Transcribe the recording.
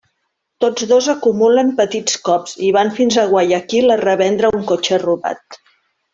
Tots dos acumulen petits cops i van fins a Guayaquil a revendre un cotxe robat.